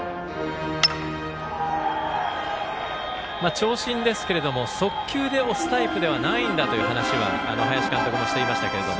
長身ですが、速球で押すタイプではないんだという話は林監督もしていましたけれども。